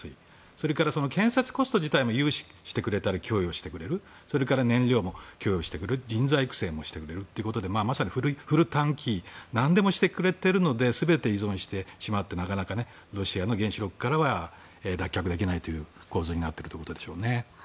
それから建設コスト自体も融資や供与をしてくれる燃料も供与してくれる人材育成もしてくれるということでまさにフルターンキー何でもしてくれるので全て依存してしまってなかなかロシアの原子力からは脱却できないという構図になっているということでしょう。